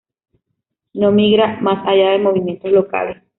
No migra más allá de movimientos locales.